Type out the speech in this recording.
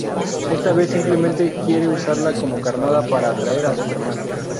Esta vez, simplemente quiere usarla como carnada para atraer a Superman.